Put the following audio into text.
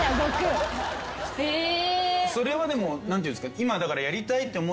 それはでも何て言うんですか。